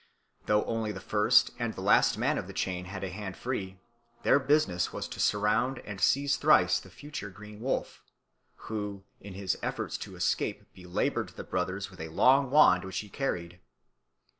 Though only the first and the last man of the chain had a hand free, their business was to surround and seize thrice the future Green Wolf, who in his efforts to escape belaboured the brothers with a long wand which he carried.